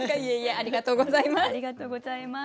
ありがとうございます。